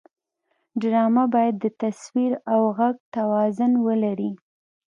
ډرامه باید د تصویر او غږ توازن ولري